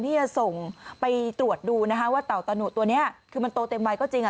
ที่จะส่งไปตรวจดูนะคะว่าเต่าตะหนุตัวนี้คือมันโตเต็มวัยก็จริงอ่ะ